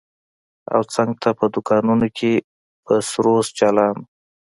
او څنگ ته په دوکانونو کښې به سروذ چالان و.